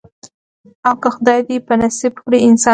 او که خدای دي په نصیب کړی انسان وي